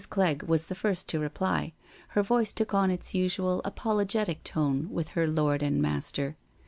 Clegg was the first to reply. Her voice took on its usual apologetic tone with her lord and master.